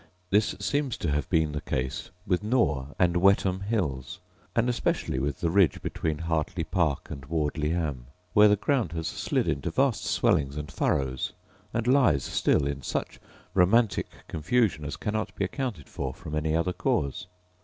This seems to have been the case with Nore and Whetham hills; and especially with the ridge between Harteley Park and Ward le ham, where the ground has slid into vast swellings and furrows; and lies still in such romantic confusion as cannot be accounted for from any other cause.